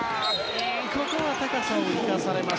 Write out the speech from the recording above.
ここは高さを生かされた。